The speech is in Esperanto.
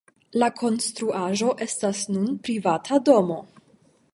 La konstruaĵo estas nun privata domo.